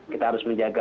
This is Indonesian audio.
kita harus menjadikan